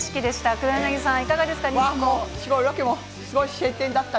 黒柳さん、いかがでした。